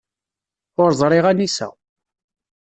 Ur ẓriɣ anisa.